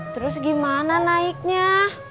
terus gimana naiknya